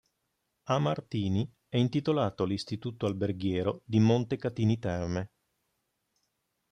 A Martini è intitolato l'Istituto Alberghiero di Montecatini Terme.